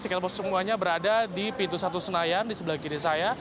sekalipun semuanya berada di pintu satu senayan di sebelah kiri saya